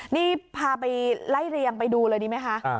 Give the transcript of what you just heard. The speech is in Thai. นี่พาไปไล่เรียงไปดูเลยดีไหมคะ